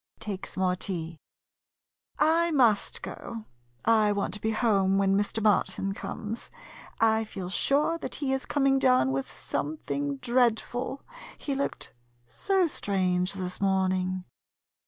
[Takes more tea.] I must go. I want to be home when Mr. Martin comes. I feel sure that he is coming down with something dreadful — he looked so strange this morning.